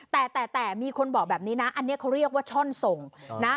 แต่แต่มีคนบอกแบบนี้นะอันนี้เขาเรียกว่าช่อนส่งนะ